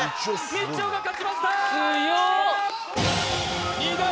みちおが勝ちました